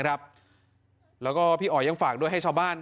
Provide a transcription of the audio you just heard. แล้วก็พี่อ๋อยยังฝากด้วยให้ชาวบ้าน